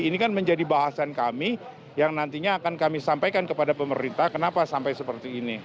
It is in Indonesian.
ini kan menjadi bahasan kami yang nantinya akan kami sampaikan kepada pemerintah kenapa sampai seperti ini